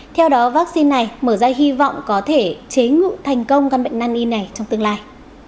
theo đó vaccine này mở ra hy vọng có thể chế ngụ thành công căn bệnh năn y này trong tương lai